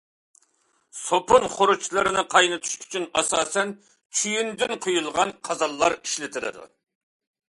سوپۇن خۇرۇجلىرىنى قاينىتىش ئۈچۈن ئاساسەن چويۇندىن قۇيۇلغان قازانلار ئىشلىتىلىدۇ.